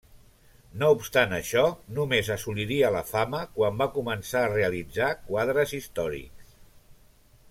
No obstant això, només assoliria la fama quan va començar a realitzar quadres històrics.